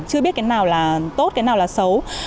chưa biết cái nào là tốt cái nào là xấu